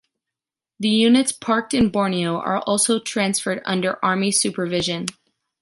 The units parked in Borneo are also transferred under army supervision.